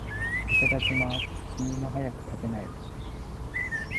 いただきまーす。君も、早く食べなよ。